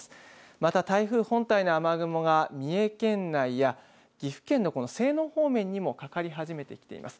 また台風本体の雨雲が三重県内や岐阜県の西濃方面にもかかり始めてきています。